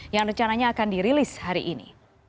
yang rencananya akan dirilis hari ini